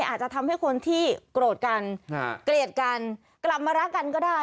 อาจจะทำให้คนที่โกรธกันเกลียดกันกลับมารักกันก็ได้